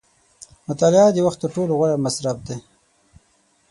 • مطالعه د وخت تر ټولو غوره مصرف دی.